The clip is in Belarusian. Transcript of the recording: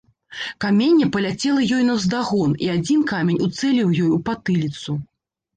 Каменне паляцела ёй наўздагон, і адзін камень уцэліў ёй у патыліцу.